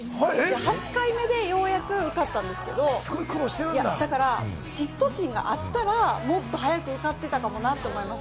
８回目でようやく受かったんですけれども、だから嫉妬心があったらもっと早く受かっていたかもなと思います。